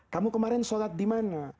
kamu kemarin sholat dimana